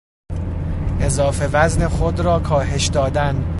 اضافه وزن خود را کاهش دادن